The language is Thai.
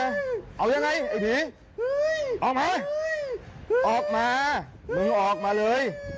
เอายังไงไอ้ผีออกมาออกมามึงออกมาเลย